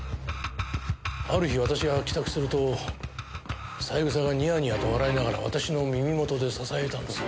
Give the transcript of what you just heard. ある日私が帰宅すると三枝がニヤニヤと笑いながら私の耳元でささやいたんです。